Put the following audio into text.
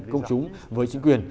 công chúng với chính quyền